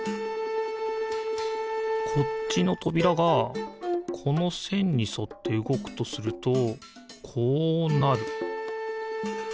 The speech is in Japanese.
こっちのとびらがこのせんにそってうごくとするとこうなる。